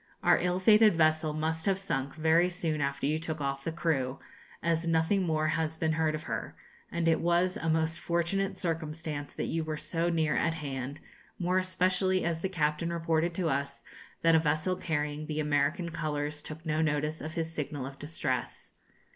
Our ill fated vessel must have sunk very soon after you took off the crew, as nothing more has been heard of her, and it was a most fortunate circumstance that you were so near at hand, more especially as the captain reported to us, that a vessel carrying the American colours took no notice of his signal of distress.